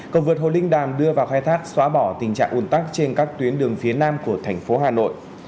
cầu vượt hồ linh đàm đưa vào khai thác xóa bỏ tình trạng ủn tắc trên các tuyến đường phía nam của thành phố hà nội